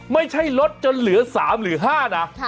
ไม่ใช่ลดจนเหลือ๓หรือ๕นะ